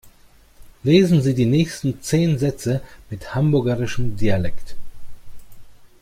Lesen Sie die nächsten zehn Sätze mit hamburgischem Dialekt.